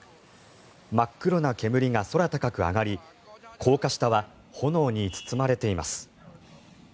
真っ黒な煙が空高く上がり高架下は炎に包まれています。